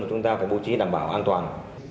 chúng ta phải bố trí đảm bảo an toàn